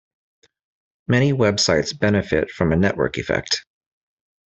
Many web sites benefit from a network effect.